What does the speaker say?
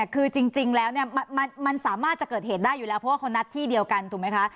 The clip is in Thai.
คือจริงแล้วมันสามารถจะเกิดเหตุได้อยู่แล้วเพราะว่าเขานัดที่เดียวกันถูกไหมคะ